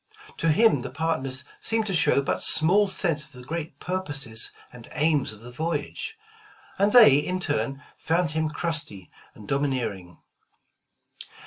To him, the partners seemed to show but small sense of the great purposes and aims of the voyage, and they in turn, found him crusty and domineering.